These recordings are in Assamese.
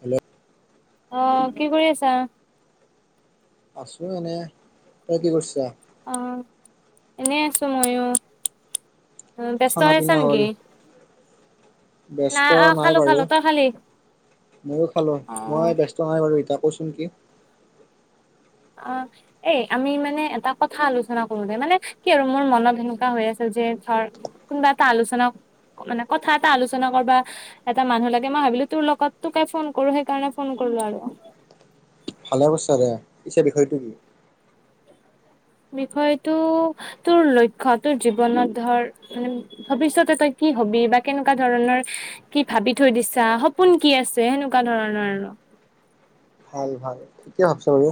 হেল্' অ কি কৰি আছা আছো এনে তই কি কৰিছা অ এনে আছো ময়ো অ ব্যস্ত খানা হৈ আছা পিনা হ'ল নেকি না ব্যস্ত অ নাই খালো বাৰু খালো তই খালি ময়ো খালো অ মই বস্ত ত নাই বাৰুতা কচোন কি অঁ এই আমি মানে এটা কথা আলোচনা কৰোতে মানে কি আৰু মোৰ মনত সেনেকুৱা হৈ আছিল যে ধৰ কোনোবা এটা আলোচনা মানে কথা এটা আলোচনা কৰা এটা মানুহ লাগে মই ভাবিলো তোৰ লগত তে ফোন কৰো সেইকাৰণে ফোন কৰিলো আৰু ভালে বসছো দে পিছে বিষয়টো কি বিষয়টো তোৰ লক্ষ্য় তোৰ জীৱনত ধৰ মানে ভৱিষ্যতে তই কি হবি বা কেনেকুৱা ধৰণৰ কি ভাবি থৈ দিছা সপোন কি আছে সেনেকুৱা ধৰণৰ আৰু ভাল ভালিয় ভাবছ বাৰু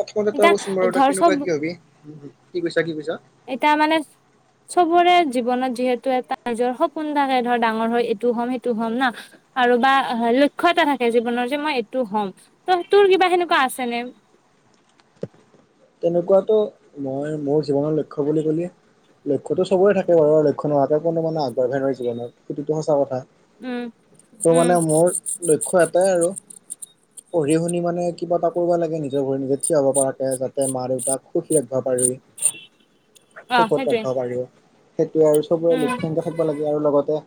প্ৰথমতে তই এতিয়া কচোন বাৰু তই ধৰ চব কেনেকুৱা কি হবি কি কৈছা কি কৈছা এতিয়া মানে চবৰে জীৱনত যিহেতু এটা নিজৰ সপোন দাকে ধৰ ডাঙৰ হয় এইটো হ'ম সেইটো হ'ম না আৰু বা লক্ষ্য় এটা থাকে জীৱনৰ যে মই এইটো হম ত তোৰ কিবা সেনেকুৱা আছে ন তেনেকুৱাতটো মই মোৰ জীৱনৰ লক্ষ্য বুলি ক'লে লক্ষ্যতোবৰে থাকে বাৰু আৰু লক্ষ্য নহোৱাকৈ কোনো মানে আগবাঢ় নোৱাৰ জীৱন সেইটো সঁচ কথা উম ত' উম মানে মোৰ লক্ষ্য় এটাই আৰু পঢ়ি শুনি মানে কিবা এটা কৰিব লাগে নিজৰ ঘৰি নিজে থিয় হব পৰাকে মা দেউতাক সুখী ৰাখিব পাৰি অ সুখত সেইটোৱে ৰাখিব পাৰি সেইটো আৰু সবোৰে লক্ষ্য উম সংখ্যা থাকিব লাগে আৰু লগতে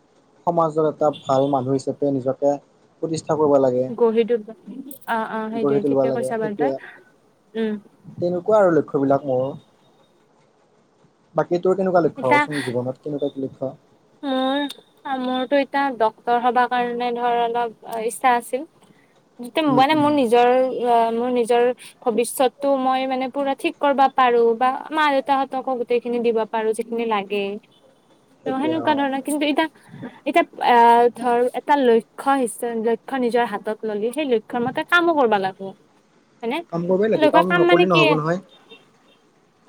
সমাজৰ এটা ভাল মানুহ হিচাপে নিজকে প্ৰতিষ্ঠা কৰিব লাগে গহি দা অ অ গঢ়ি সেইটোৱে তুলিব ঠিকে লাগে কৈছা বাৰু তই সেইটোৱে উম তেনেকুৱা আৰু লক্ষ্য় বিলাক মোৰ বাকী তোৰ কেনেকুৱা লক্ষ্য হচোন জীৱনত কেনেকুৱা কি লক্ষ্য অ মোৰতো এতিয়া ডক্তৰ সবাৰ কাৰণে ধৰ অলপ ইচ্ছা আছিল যেতিয়া উম মানে উম মোৰ নিজৰ অ মোৰ নিজৰ ভৱিষ্যতো মই মানে পুৰা ঠিক কৰিবা পাৰোঁ বা মা-দেউতাহঁতক গোতেইখিনি দিবা পাৰোঁ যিখিনি লাগে ত' সেইটোৱে অ সেনেকুৱা ধৰণৰ কিন্তু ইটা এতিয়া এ ধৰ এটা লক্ষ্য, লক্ষ্য নিজৰ হাতত ললি সেই লক্ষ্য লক্ষ্যৰ মতে কামো কৰবা লাগিব। হয়নে কাম কৰিবই লাগিব লক্ষ্যৰ কাম মানে নকৰিলে কি নহ'ব নহয়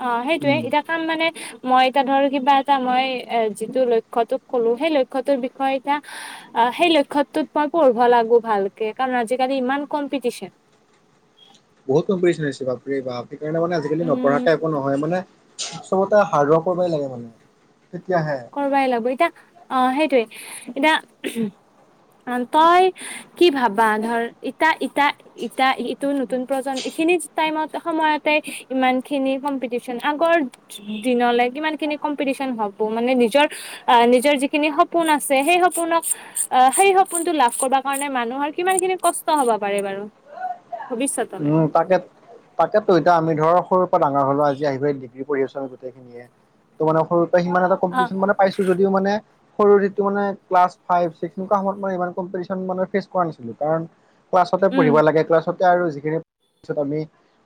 অহ, সেইটোৱে উম। এতিয়া কাম মানে মই এতিয়া ধৰ কিবা এটা, মই এ যিটো লক্ষ্য লক্ষ্যটো কলো সেই লক্ষ্যটোৰ বিষয় ইটা অহ, সেই লক্ষ্যটোত মই পঢ়িব লাগবো ভালকে কাৰণ আজিকালি ইমান কম্পিটিচন। বহুত কম্পিটশ্যন হৈছে বাপাৰেবাপ সেইকাৰণে মানে আজিকালি নপঢ়াকে উম এক নহয় মানে চবতে হাৰ্ড ৱৰ্কৰ লাগে মানে, তেতিয়াহে। কৰাই লাগবো এতিয়া অহ, সেইটোৱে। এতিয়া তই কি ভাবা ধৰ ইটা-ইটা ইটা এইটো নতুন প্ৰজন্ম, এইখিনি টাইমত সময়তে ইমানখিনি কম্পিটিচন আগৰ দিনলে কিমানখিনি কম্পিটিচন হ'ব মানে নিজৰ অহ, নিজৰ যিখিনি সপোন আছে, সেই সপোনক অহ, সেই সপোনটো লাভ কৰিব কাৰণে মানুহৰ কিমানখিনি কষ্ট হ'বা পাৰে বাৰু। ভৱিষ্যতলৈ উম, তাকে তাকেটো এতিয়া আমি ধৰ সৰুৰ পৰা ডাঙৰ হ'লো, আজি আহিফেলে ডিগ্ৰী পঢ়ি আছোঁ আমি গোটেইখিনিয়ে। ত' মানে সৰুৰ পৰা সিমান এটা অ কম্পিটিশন মানে পাইছোঁ যদিও মানে সৰুতে মানে ক্লাচ ফাইভ চিকচ্ সেনেকোৱা সময়ত মই ইমান কম্পিটিশন ফেচ কৰা নাছিলোঁ কাৰণ ক্লাছতে উম পঢ়িব লাগে, ক্লাছতে আৰু যিখিনি পিছত আমি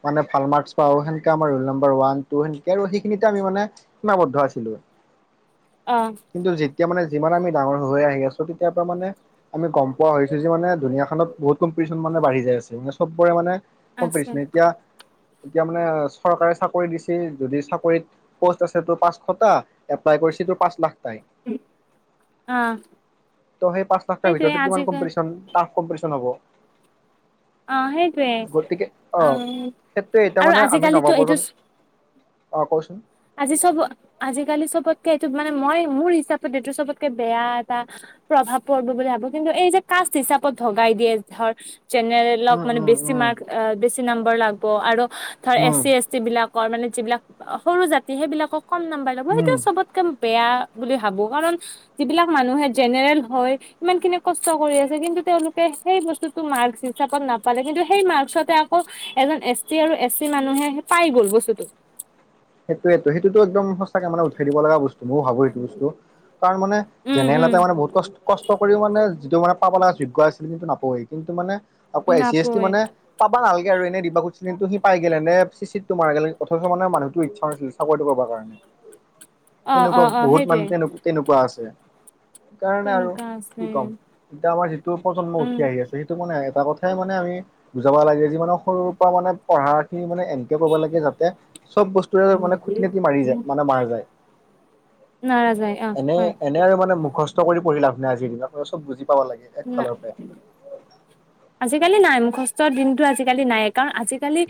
মানে ভাল মাৰ্ক পাওঁ সেনকে আমাৰ ৰোল নম্বাৰ ওৱাম ট্ৰো সেনেকে আৰু সেইখিনিতে আমি মানে সিমাবদ্ধ আছিলোঁ। অহ। কিন্তু যেতিয়া মানে যিমান আমি ডাঙৰ হৈ হৈ আহি আছোঁ তেতিয়াৰ পৰা মানে আমি গম পোৱা হৈছো যে মানে দুুনীয়াখনত বহুত কম্পিটিচন মানে বাঢ়ি যাই আছে। ‌ মানে চব চবৰে মানে আছে কম্পিটিশন এতিয়া এতিয়া মানে চৰকাৰে চাকৰি দিছি, যদি চাকৰিত প'ষ্ট আছে তোৰ পাঁচশটা, এপ্লাই কৰিছে তোৰ পাঁচ লাখ তাই অ সেই পাঁচ লাখৰ সেইটোৱে ভিতৰত কিমান আজিকাল কম্পিটিচন। টাফ কম্পিটশন হ'ব। অ সেইটোৱে গতিকে অ অহ' সেইটো এতিয়া আৰু মানে আমি আজিকালিতো এইটো নৱপ্ৰজন্ম অহ, কওঁচোন। আজি চব আজিকালি চবতকে এইটো মানে মই মোৰ হিচাপত এইটো চবতকে বেয়া এটা। প্ৰভাৱ পৰিব বুলি ভাবোঁ কিন্তু এই যে কাষ্ট হিচাপত ভগাই দিয়ে ধৰ জেনেৰে উম মানে উম বেছি উম মাৰ্ক বেছি নাম্বৰ লাগব আৰু ধৰ এছ উম চি এছ যিবিলাকৰ মানে যিবিলাক সৰু জাতি সেইবিলাকক কম নাম্বাৰ ল'ব সেইটো উম চবত চবতকে বেয়া বুলি ভাবোঁ কাৰণ যিবিলাক মানুহে জেনেৰেল হয় ইমানখিনি কষ্ট কৰি আছে, কিন্তু তেওঁলোকে সেই বস্তু মাৰ্কচ হিচাপত নাপালে কিন্তু সেই মাৰ্কচতে আকৌ এজন এছ টি আৰু এছ চি মানুহে পাই গ'ল বস্তুটো। সেইটোৱেটো সেইটোতো একদম সঁচাকে মানে উঠাই দিব লগা বস্তু, মই ভাবোঁ সেইটো বস্তু। তাৰমানে উম জেনেৰেল উম এটাই মানে বহুত কষ্ট কষ্ট কৰিও মানে যিটো মানে পাব লগা যোগ্য আছিল সেইটো নাপৱেই, কিন্তু মানে আকৌ এ চি এছ টি নাপয় মানে পাবা নালাগে আৰু এনেই দিবা সোধচিল সি পাই গেল, এনেই চি-চিতটো মাৰা গেল অথচ মানে মানুহ ইচ্ছা নাছিলে চাকৰিটো কৰিবা কাৰণে, অ', তেনেকুৱা অ', অ', বহুত মানে সেইটোৱে তেনেকুৱা তেনেকুৱা আছে, সেইকাৰণে আৰু তেনেকুৱা কি আছে ক'ম। এতিয়া আমাৰ যিটো প্ৰজন্ম উঠি উম, আহি আছে। সেইটো মানে এটা কথাই মানে আমি বুজাব লাগে যি মানে সৰুৰ পৰা মানে পঢ়াখিনি মানে কৰবা লাগে যাতে চব বস্তু মানে খুট-নাতি মাৰি যায়, মানে মাৰা যায়। নাৰা যায় অ', এনেই হয়। এনেই আৰু মানে মুখস্থ কৰি পঢ়ি লাভ নাই, আজিৰ দিনত চব বুজি পাব লাগে এক না ফালৰপে। আজিকালি নাই মুখস্থৰ দিনটো আজিকালি নাই কাৰণ আজিকি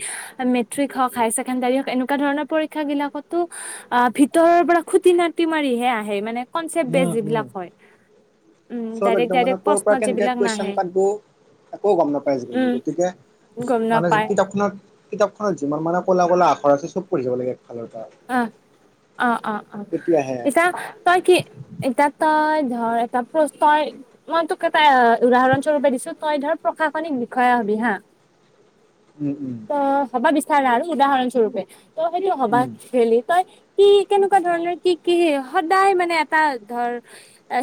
মেট্ৰিক হওক হায়াৰ ছেকেণ্ডাৰী হওক এনেকুৱা ধৰণৰ পৰীক্ষা গিলাকতো অ' ভিতৰৰ পৰা খুটি নাতি মাৰিহে আহে মানে কনচেপট উম বেচ উম যিবিলাক হয় উম চব ডাইৰেক্ট একদম মানে ডাইৰেক্ট ক'ৰ পৰা প্ৰশ্ন কেনেকে যিবিলাক কুৱেশন নাহে। কাটব একো গম নাপাইছিল বুলি উম, গতিকে গম মানে নাপায় কিতাপখনত কিতাপখনত যিমান মানে কলা কল আখৰ আছে চব পঢ়ি যাবা লাগে একফালৰ পৰা। অ', অ', অ', অ' তেতিয়াহে ইতা তই কি এটা তই ধৰ এটা তই মই তোক এটা উদাহৰণ স্বৰূপে দিছো তই ধৰ প্ৰশাসনিক বিষয়া হবি হা। উম উম। অ' হবা বিচাৰা আৰু উদাহৰণস্বৰূপে ত' সেইটো হবা উম ভেলি তই কি কেনেকুৱা ধৰণৰ কি কি সদায় মানে এটা ধৰ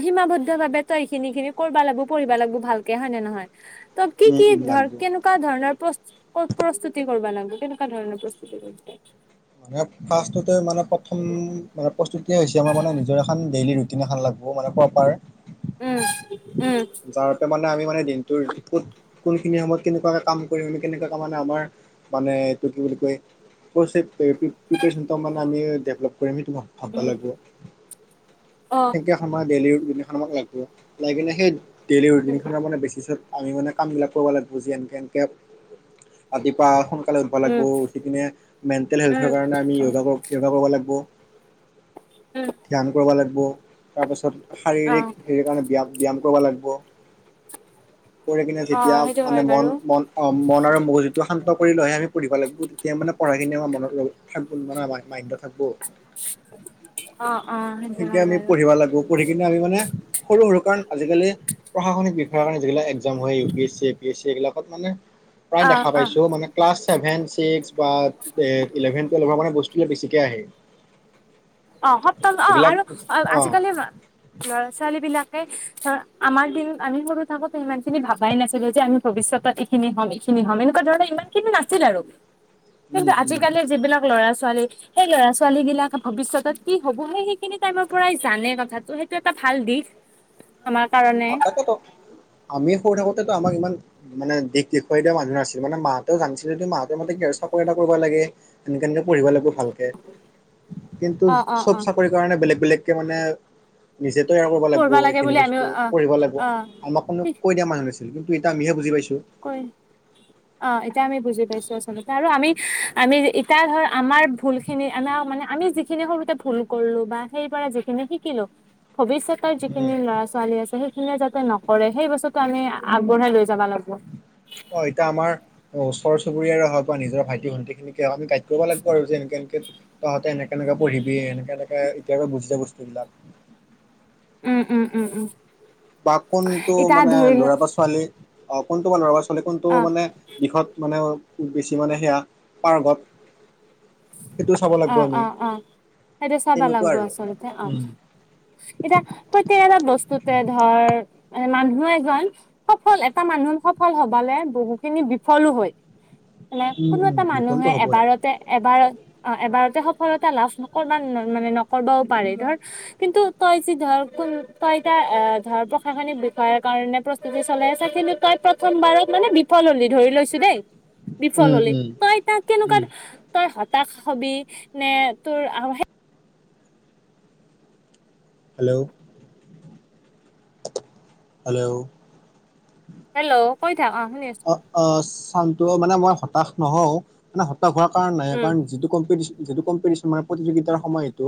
সীমাবদ্ধ ভাৱে তই এইখিনি খিনি কৰিবা লাগিব পঢ়িবা লাগিব ভালকে হয় নে নহয়। ত কি উম কি উম ধৰ লাগব কেনেক কেনেকুৱা ধৰণৰ প্ৰস প্ৰস্তুতি কৰিবা লাগে কেনেকুৱা ধৰণৰ প্ৰস্তুতি কৰিছে মানে ফাৰ্ষ্টতে মানে প্ৰথম মানে প্ৰস্তুতি হৈছে আমাৰ মানে নিজৰ এখন ডেইলি ৰুট এখন লাগ মানে প্ৰপাৰ উম উম যাৰতে মানে আমি মানে দিনটোৰ কত কোনখিনি সময়ত কেনেকুৱাকে কাম কৰিম আমি কেনেকুৱাকে মানে আমাৰ মানে এইটো কি বুলি কয় কৈছে পন মানে আমি ডেভপ কৰিম সেইটো ভাব উম লাগিব অ সেকখন দেলহিৰ গখনমাক লাগিব লাগিলে সেই টেলি ৰিিন উম খনৰ মানে বেছিছত আমি মানে কাম বিিলাক কৰিব লাগিব যি এনকে এনকে ৰাতিপুৱা ব লাগিব উম উঠি কিিনে মেণ্টেল উম হেল্থৰ কাৰণে আমিোগা য়োগা কৰিব লাগিব উম ধ্যান কৰিব লাগিব তাৰপাছত অ শাৰীৰিক হেৰি কাৰণে ব্যায়াম ব্যায়াম কৰিব লাগিব কৰি কিনে অ যেতিয়া সেইটো মানে হয় মন বাৰু মন অ মন আৰু মগজুটো শান্ত লৈে আমি পঢ়িব লাগিব তেতিয়া মানে পঢ়াখিনি আম মানে আৰডত থাক অ অ সেইটো সেকে হয় আমি বাৰু পঢ়িবা লাগিব পঢ়ি কিনে আমি মানে সৰু সৰু কাৰণ আজিকালি প্ৰশাসনিক বিষয়াৰ কাৰণে যিলাক্াম হয় U P S C A P S C এইবিলাকত মানে প্ৰায় অ দেখা অ পাইছো মানে ক্লাছ চছেভেন ছিক্স বা ইভেনটেলভৰ মানে বস্তু বেছিকে আহে অ সপ্ত অ যিবিলাক আৰু অ আজিকালি লৰা ছোৱালী বিলাকে ধ আমাৰ দিনত আমি সৰু থাকোতেো ইমান খিনি ভাবাই নাছিলো যে আমি ভৱিষ্যতত এইখিনি হম খিনি হ'ম এনেকুৱা ধৰণৰ ইমান খিনি নাছিল আৰু কিন্তু উম উম আজিকালিৰ যিবিলাক ল'ৰা ছোৱালী সেই ল'ৰা ছোৱালী বিিলাক ভৱিষ্যতত কি হ'ব সেই সেইখিনি টাইমৰ পৰাই জানে কথাটো সেইটো এটা ভাল দিশ আমাৰ কাৰণে তাকেত আমি সৰু থাকোতেতো আমাক ইমান মানে দিশ দেখুৱাই দিয়া মানুহ নাছিলে মানে মাহতে জানছিলে মাহতে মতে কেৰ চাকৰি এটা কৰিব লাগে তেনেকে এনেকে পঢ়িব লাগিব ভালকে কিন্তু অ অ চব অ চাকৰি কাৰণে বেলেগ বেলেগকে মানে নিজে তৈয়াৰ কৰিব লাগিব পঢ়বা লাগে এইখিনি বুলি আমি বস্তু অ পঢ়িব লাগিব অ আমাক কোনো কৈিয়া মানহ নছিলন্তু এয়া আমিহ বুজি পাইোঁ কই অ এতিয়া আমি বুজি পাইছো আচলতে আৰু আমি আমি এতিয়া ধৰ আমাৰ ভুল খিনি আমাৰ মানে আমি যিখিনি সৰুতে ভুল কৰিলো বা সেই পৰা যিখিনি শিকিলো ভৱিষ্যত ত উম যিখিনি ল'ৰা ছোৱালী আছে সেইখিনিয়ে যাতে নকৰে সেই বস্তুটো আমি আগবঢ়াই লৈ যাব লাগিব অ এতিয়া আমাৰ অ ওচৰ চুুৰীয়াৰে হওক বা নিজৰ ভাইটি ভণ্টি খিনিকে হওক আমি গাইড কৰিব লাগিব আৰু যে কেনকে তহতে এনেকে এনেকে পঢ়িবি এনেকে এনেকে এতিয়াৰ পৰা বুজি যা বস্তু বিলাক উম উম উম উম বা কোনটো এতিয়া মানে ধৰি ল ল'ৰা বা ছোৱালী অ কোনটো বা ল'ৰা বাৰা ছোৱালী কোনটো অ মানে দিশত মানে খু বেছি মানে সেয়া পাৰ্ঘত অ অ অ সেইটো চাবা তেনেকুৱা লাগিব আৰু আচলতে অ এতিয়া প্ৰত্য়েক এটা বস্তুতে ধৰ মানে মানুহ এজন সফল এটা মানুহ সফল হবালে বহু খিনি বিফলো হয় মানে উম কোনো উম এটা বিফলটো মানুহে হ'বই এবাৰতে এবাৰত অ এবাৰতে সফলতা লাভ নকবা মানে নকবও পাৰেি ধৰ কিন্তু তই যেি ধৰ কোন তই তাৰ ধৰ প্ৰশাসনিক বিষয়াৰ কাৰণে ত চলাই আছা খিনি তই প্ৰথমবাৰত মানে বিফল হলি ধৰি লৈছো দেই বিফল উম হলে। উম তই তাক কেনেকোৱা উম তই হতাশ হবি নে তোৰ আৰু সে হেল্ল'। হেল্ল'। হেল্ল কৈ থাক অ' শুনি আছো। অ' চানটো মানে মই হতাশ নহও মানে হ তাশ হোৱাৰ কাৰণ নাই উম কাৰণ যিটো কমপিতিচ যিটো কমপিতিচ মানে প্ৰতিযোগিতাৰ সময় এইটো।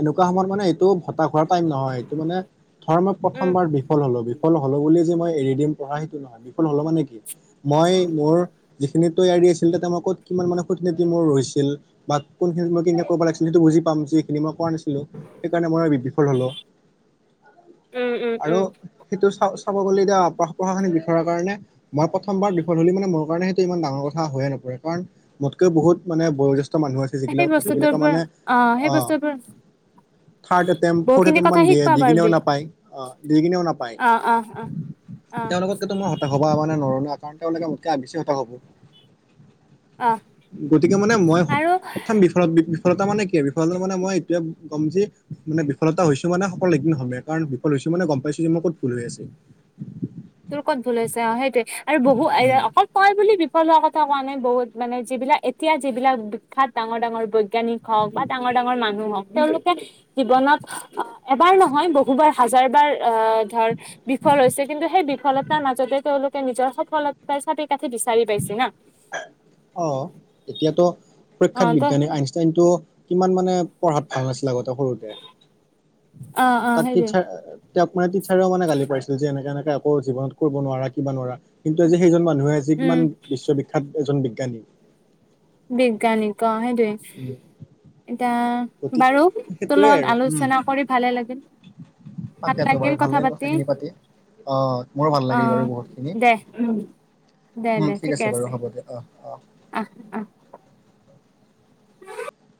এনেকোৱা সময়ত মানে এইটো হতাশ হোৱাৰ টাইম নহয় এইটো মানে ধৰ মই উম প্ৰথমবাৰ বিফল হলো। বিফল হলো বুলি যে মই এৰি দিম পঢ়া সেইটো নহয়। বিফল হলো মানে কি মই মোৰ যিখিনি তৈয়াৰী আছিল তাতে মই ক'ত কিমান মানে খুতিনাতি মোৰ ৰৈছিল বা কোন খিনিত মই কিনকে কৰিব লাগিছিল সেইটে বোজি পাম যিখিন মই কৰা নিছিলো। সেইকাৰণে মই বিফল হলো। উম উম আৰু উম সেইটো চা চাব গলে এতিয়া প্ৰশাসনিক বিষয়াৰ কাৰণে মই প্ৰথমবাৰ বিফল হলো মানে মোৰ কাৰণে সেইটো টো ইমান ডাঙৰ কথা হৈয়ে নপৰে কাৰণ মোতকৈও বহুত মানে বয়োজেষ্ঠ মানুহ আছে। সেই যিবিলাক বস্তুটোৰ যিবিলাকৰ পৰা মানে সেই অ' বস্তুৰ পৰা থ্ৰাৰ্ড এটেমট ফ্ৰৰ্ট বহুখিনি এটেমট কথা মান দিয়ে শিকবা দি কিনিও পাৰবি নাপায় দি কিনিও নাপায়। অ অ অ অ'। তেনেকেটো মই হতাশ হব নোৱাৰো ন কাৰণ তেওঁলোকে মোতকে বেচি হতাশ হ'ব। অ গতিকে মানে মই আৰু প্ৰথম বিফলত বি বিফলতা মানে কি আৰু বিফলতা মানে মই এইটোয়ে কম যে মানে বিফলতা হৈছো মানে সফল এদিন হমেই। কাৰণ বিফল হৈছে মানে গম পাইছো যে মই ক'ত ভুল হৈ আছে। তোৰ ক'ত ভুল হৈছে অ' সেইটয়ে আৰু বহু উম অকল তই বুলি বিফল হোৱাৰ কথা কোৱা নাই বহুত মানে যিবিলাক এতিয়া যিবিলাক বিখ্যাত ডাঙৰ ডাঙৰ বৈজ্ঞানিক হওঁক বা ডাঙৰ ডাঙৰ মানুহ হওঁক তেওঁলোকে জীৱনত এবাৰ নহয় বহুবাৰ হাজাৰ বাৰ অ' ধৰ বিফল হৈছে কিন্তু সেই বি ফলতাৰ মাজতে তেওঁলোকে নিজৰ সফলতাৰ চাবি কাঠি বিচাৰি পাইছে না। অ' এতিয়াতো অ প্ৰখ্যাত তই বিজ্ঞানী আইন কিন্তু কিমান মানে পঢ়াত ভাল আছিল আগতে সৰুতে। অ অ তাত সেইটোৱে টীচাৰ তেওঁক মানে টিচাৰেও মানে গালি পাইছিল যে এনেকে এনেকে আকো জীৱনত কৰিব নোৱাৰা কিবা নোৱাৰা কিন্তু আজি সেইজন মানুহে আজি উম কিমান বিশ্ববিখ্যাত এজন বিজ্ঞানী। বিজ্ঞানিক অ' সেইটোৱে। উম। এতিয়া গতিকে বাৰু তোৰ সেইটোয়ে লগত আৰু উম আলোচনা কৰি ভালে লাগিল। ভাল তাকেতো বাৰু লাগিল ভাল কথা পাতি কথাখিনি অ মোৰো ভাল অ' লাগিল বাৰু বহুতখিনি দে। উম। দে উম ঠিক আছে বাৰু হ'ব দিয়া অ' অ'। অ [unintelligible] উ [unintelligible]